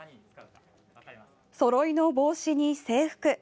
そろいの帽子に制服。